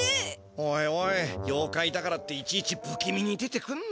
おいおいようかいだからっていちいちぶ気味に出てくんなよ。